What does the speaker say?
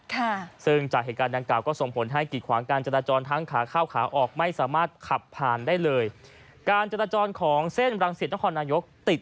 คือนอกจากฟ้าฝนที่ทำให้รถติดแล้วเนี่ยนะคะ